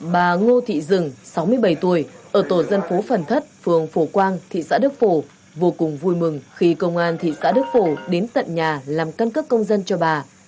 bà ngô thị rừng sáu mươi bảy tuổi ở tổ dân phố phần thất phường phổ quang thị xã đức phổ vô cùng vui mừng khi công an thị xã đức phổ đến tận nhà làm căn cước công dân cho bà